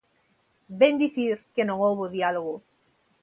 Vén dicir que non houbo diálogo.